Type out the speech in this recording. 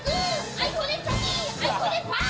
あいこでパー。